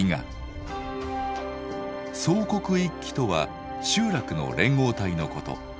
「惣国一揆」とは集落の連合体のこと。